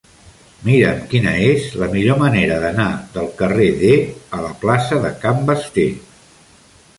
Mira'm quina és la millor manera d'anar del carrer D a la plaça de Can Basté.